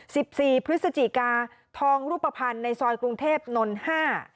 สิบสี่พฤศจิกาทองรูปภัณฑ์ในซอยกรุงเทพนนห้า